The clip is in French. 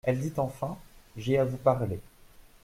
Elle dit enfin : J'ai à vous parler.